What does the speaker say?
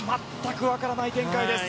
分からない展開です。